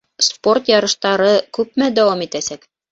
Спорт ярыштары күпмә дауам итәсәк?